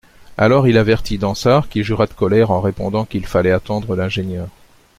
Alors, il avertit Dansaert, qui jura de colère, en répondant qu'il fallait attendre l'ingénieur.